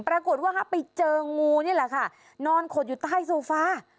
ปรากฏว่าไปเจองูนี่แหละค่ะนอนขดอยู่ใต้โซฟา